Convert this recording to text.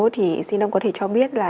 thì xin ông có thể cho biết là